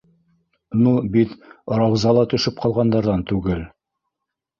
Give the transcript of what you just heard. Ну бит Рауза ла төшөп ҡалғандарҙан түгел!